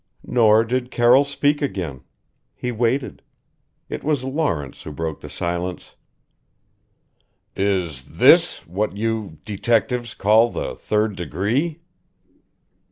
Nor did Carroll speak again he waited. It was Lawrence who broke the silence "Is this what you detectives call the third degree?"